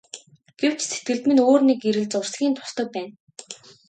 Гэвч сэтгэлд минь өөр нэг гэрэл зурсхийн тусдаг байна.